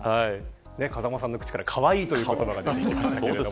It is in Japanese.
風間さんの口から、かわいいという言葉が出ましたけれども。